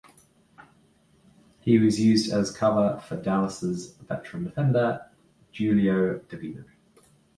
He was used as cover for Dallas' veteran defender, Duilio Davino.